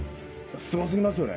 すご過ぎますよね。